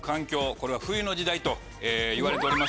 これは冬の時代といわれております。